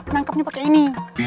nangkepnya pake ini